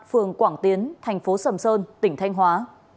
phường quảng tiến thành phố sầm sơn tỉnh thanh hóa